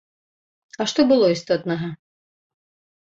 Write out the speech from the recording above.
А што было істотнага?